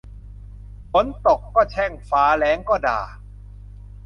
ฝนตกก็แช่งฟ้าแล้งก็ด่า